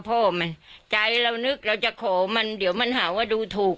พ่อมันใจเรานึกเราจะขอมันเดี๋ยวมันหาว่าดูถูก